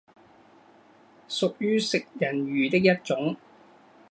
属于食人鱼的一种。